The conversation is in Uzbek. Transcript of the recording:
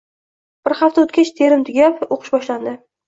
Bir hafta oʻtgach terim tugab, oʻqish boshlandi.